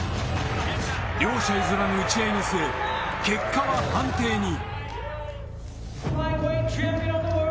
両者譲らぬ打ち合いの末、結果は判定に。